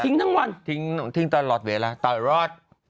ถึงทั้งวันทิ้งทิ้งต้อนรอดเวลาโตะรอด